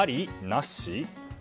なし？